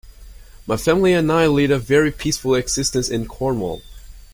My family and I lead a very peaceful existence in Cornwall.